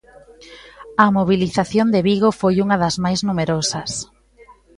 A mobilización de Vigo foi unha das máis numerosas.